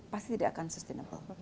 pasti tidak akan sustainable